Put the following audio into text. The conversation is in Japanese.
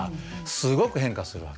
すごく変化するわけ。